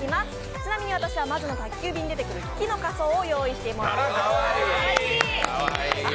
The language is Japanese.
ちなみに私は「魔女の宅急便」に出てくるキキの仮装をしています。